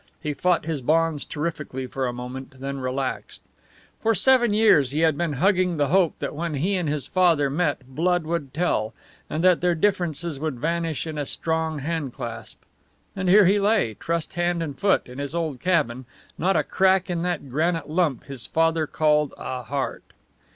He fought his bonds terrifically for a moment, then relaxed. For seven years he had been hugging the hope that when he and his father met blood would tell, and that their differences would vanish in a strong handclasp; and here he lay, trussed hand and foot, in his old cabin, not a crack in that granite lump his father called a heart!